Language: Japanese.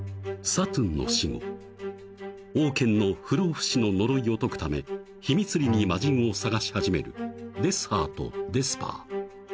［サトゥンの死後オウケンの不老不死の呪いを解くため秘密裏に魔神を捜し始めるデスハーとデスパー］